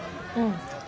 うん。